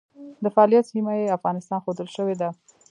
د فعالیت سیمه یې افغانستان ښودل شوې ده.